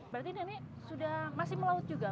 berarti nenek sudah masih melaut juga